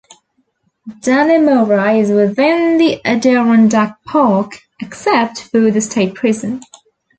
Dannemora is within the Adirondack Park except for the state prison.